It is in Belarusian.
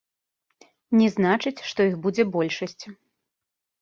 Не значыць, што іх будзе большасць.